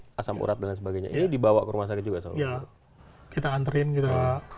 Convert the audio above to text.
bekas berat dan sebagainya ini dibawa ke rumah sakit juga soalan kita anterin yela